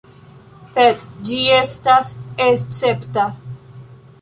Sed ĝi estas escepta.